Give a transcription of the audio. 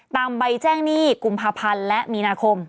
ใบแจ้งหนี้กุมภาพันธ์และมีนาคม